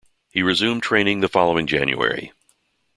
He resumed training the following January.